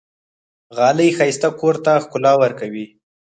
غالۍ ښایسته کور ته ښکلا ورکوي.